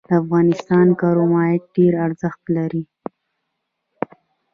د افغانستان کرومایټ ډیر ارزښت لري